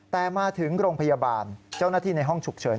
แต่มาถึงโรงพยาบาลเจ้าหน้าที่ในห้องฉุกเฉิน